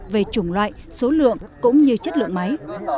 về chủng loại số lượng cũng như chất lượng máy